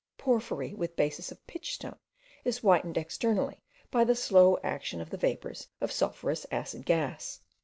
Porphyry, with basis of pitch stone, is whitened externally by the slow action of the vapours of sulphurous acid gas.